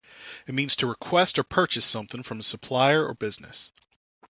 It means to request or purchase something from a supplier or business.